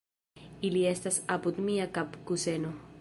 Ili estas apud mia kapkuseno.